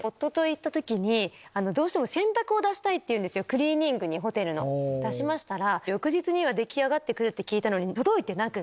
クリーニングにホテルの出しましたら。